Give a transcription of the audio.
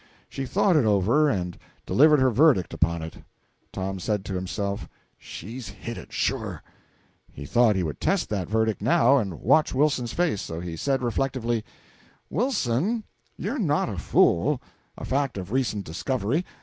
She thought it over, and delivered her verdict upon it. Tom said to himself, "She's hit it, sure!" He thought he would test that verdict, now, and watch Wilson's face; so he said reflectively "Wilson, you're not a fool a fact of recent discovery.